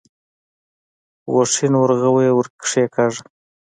غوښين ورغوی يې ور کېکاږه.